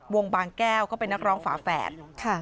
บางแก้วก็เป็นนักร้องฝาแฝด